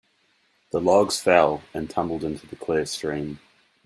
The logs fell and tumbled into the clear stream.